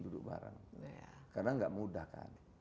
duduk bareng karena nggak mudah kan